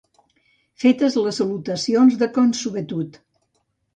Fetes les salutacions de consuetud.